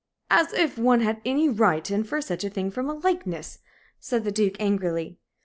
"As if one had any right to infer such a thing from a likeness!" said the Duke, angrily.